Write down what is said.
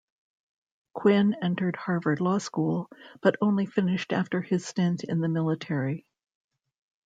Quinn entered Harvard Law School, but only finished after his stint in the military.